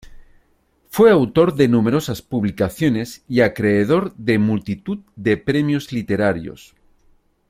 Fue autor de numerosas publicaciones y acreedor de multitud de premios literarios.